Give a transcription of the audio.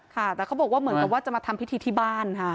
ค่ะแต่เขาบอกว่าเหมือนกับว่าจะมาทำพิธีที่บ้านค่ะ